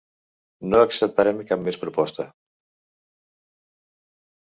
No acceptarem cap més proposta.